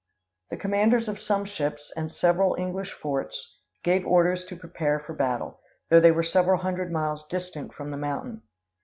"The commanders of some ships, and several English forts, gave orders to prepare for battle, though they were several hundred miles distant from the mountain.